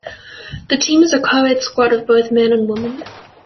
The team is a coed squad of both men and women.